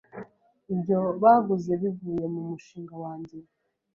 ibyo baguze bivuye mu mushinga wanjye